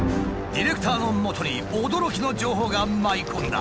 ディレクターのもとに驚きの情報が舞い込んだ。